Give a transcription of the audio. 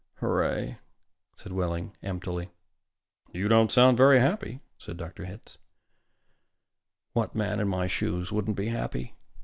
"Hooray," said Wehling emptily. "You don't sound very happy," said Dr. Hitz. "What man in my shoes wouldn't be happy?"